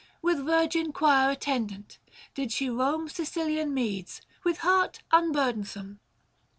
With virgin choir attendant, did she roam Sicilian meads, with heart unbnrdensome.